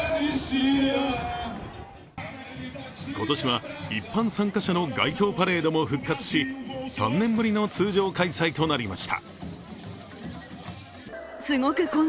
今年は、一般参加者の街頭パレードも復活し３年ぶりの通常開催となりました。